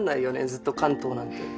ずっと関東なんて。